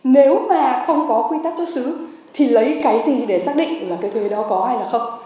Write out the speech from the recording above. nếu mà không có quy tắc xuất xứ thì lấy cái gì để xác định là cái thuế đó có hay là không